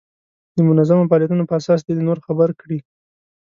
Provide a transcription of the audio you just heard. د منظمو فعالیتونو په اساس دې نور خبر کړي.